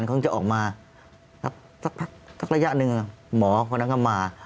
เราต้องใช้เวลาหนึ่งแต่หมอแล้วก็มา